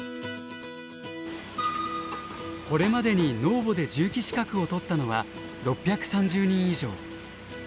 これまでにｎｕｏｖｏで重機資格を取ったのは６３０人以上。